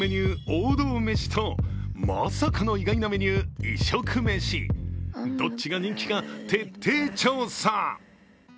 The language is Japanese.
王道メシとまさかの意外なメニュー、異色メシどっちが人気か、徹底調査。